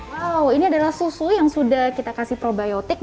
wow ini adalah susu yang sudah kita kasih probiotik